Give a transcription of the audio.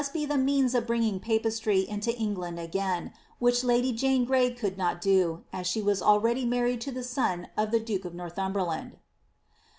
be the means of bringing papistry into England again, which lady Jane Grey could not do, as she was already married to the son of the duke of Northumberland.